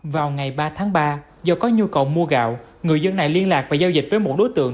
vào ngày ba tháng ba do có nhu cầu mua gạo người dân này liên lạc và giao dịch với một đối tượng